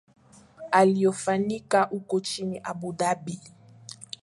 yaliofanyika huko nchini abu dhabi